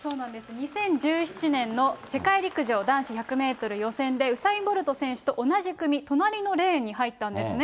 ２０１７年の世界陸上男子１００メートル予選で、ウサイン・ボルト選手と同じ組、隣のレーンに入ったんですね。